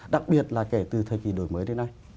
đặc biệt là kể từ thời kỳ đổi mới đến nay